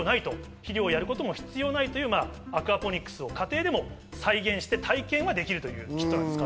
肥料をやることも必要ないというアクアポニックスを家庭でも再現して体験はできるというキットです。